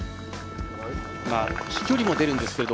飛距離も出るんですけど